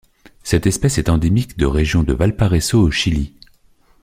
Cette espèce est endémique de région de Valparaiso au Chili.